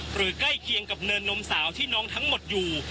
ใกล้เคียงกับเนินนมสาวที่น้องทั้งหมดอยู่